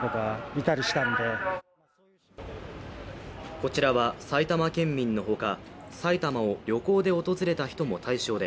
こちらは、埼玉県民のほか、埼玉を旅行で訪れた人も対象で